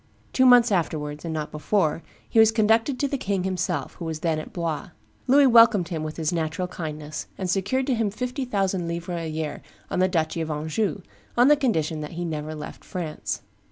Two months afterwards, and not before, he was conducted to the king himself, who was then at Blois. Louis welcomed him with his natural kindness, and secured to him fifty thousand livres a year on the duchy of Anjou, on condition that he never left France.